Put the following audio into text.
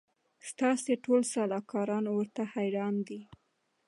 ستاسي ټول سلاکاران ورته حیران دي